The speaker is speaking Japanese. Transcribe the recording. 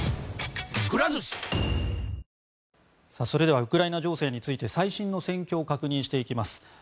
それではウクライナ情勢について最新の戦況を確認していきます。